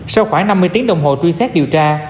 sau khoảng năm mươi tiếng đồng hồ truy xét điều tra